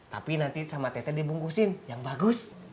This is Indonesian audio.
tapi nanti sama tete dibungkusin yang bagus